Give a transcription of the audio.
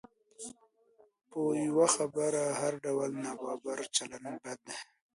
په یوه خبره هر ډول نابرابر چلند بد دی.